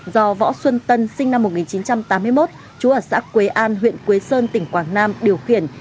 do võ xuân tân sinh năm một nghìn chín trăm tám mươi một trú ở xã quế an huyện quế sơn tỉnh quảng nam điều khiển